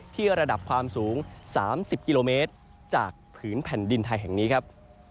ระดับความสูง๓๐กิโลเมตรจากผืนแผ่นดินไทยแห่งนี้ครับ